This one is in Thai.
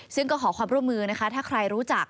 ซึ่งก็ขอความร่วมมือนะคะถ้าใครรู้จัก